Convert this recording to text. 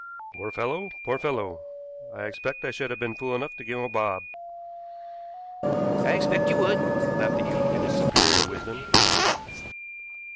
"Poor fellow. Poor fellow! I expect I should have been fool enough to give him a bob." "I expect you would," laughed the youth, in his superior wisdom.